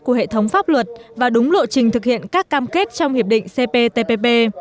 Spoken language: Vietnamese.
của hệ thống pháp luật và đúng lộ trình thực hiện các cam kết trong hiệp định cptpp